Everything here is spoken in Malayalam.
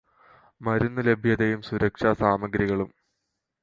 മരുന്ന് ലഭ്യതയും സുരക്ഷാ സാമഗ്രികളും